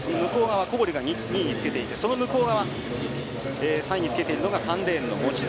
小堀が２位につけていてその向こう側３位につけているのが３レーンの望月。